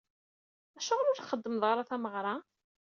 Acuɣer ur txeddmeḍ ara tameɣra?